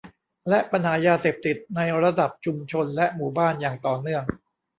และปัญหายาเสพติดในระดับชุมชนและหมู่บ้านอย่างต่อเนื่อง